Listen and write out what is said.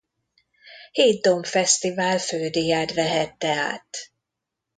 Hét Domb Filmfesztivál fődíját vehette át.